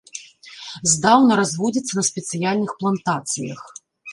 Здаўна разводзіцца на спецыяльных плантацыях.